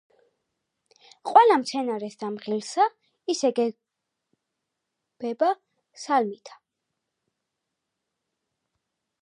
ყველა მცენარეს და მღილსა ის ეგებება სალმითა